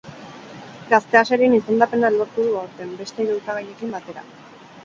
Gaztea sarien izendapena lortu du aurten, beste hiru hautagaiekin batera.